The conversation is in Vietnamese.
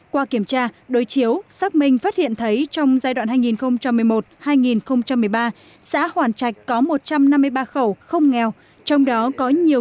qua kiểm tra đối chiếu xác minh phát hiện thấy trong giai đoạn hai nghìn một mươi một hai nghìn một mươi ba xã hoàn trạch có một trăm năm mươi ba khẩu không nghèo